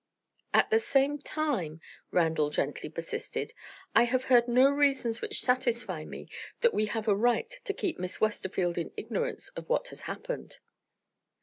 "At the same time," Randal gently persisted, "I have heard no reasons which satisfy me that we have a right to keep Miss Westerfield in ignorance of what has happened."